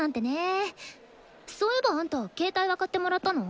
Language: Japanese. そういえばあんた携帯は買ってもらったの？